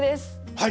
はい。